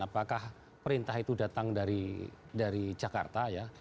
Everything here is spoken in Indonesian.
apakah perintah itu datang dari jakarta ya